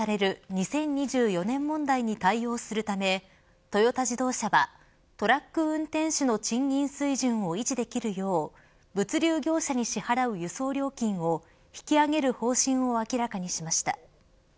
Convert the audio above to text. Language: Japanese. ２０２４年問題に対応するためトヨタ自動車はトラック運転手の賃金水準を維持できるよう物流業者に支払う輸送料金を引き上げる方針を明らかにしました。